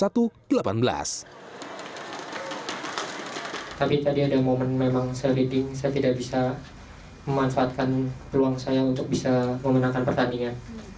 tapi tadi ada momen memang saya leading saya tidak bisa memanfaatkan peluang saya untuk bisa memenangkan pertandingan